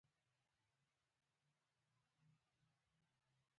هېڅوک په سترګو نه ښکاریدل.